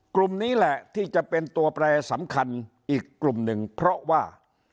กลุ่มนี้แหละที่จะเป็นตัวแปรสำคัญอีกกลุ่มหนึ่งเพราะว่า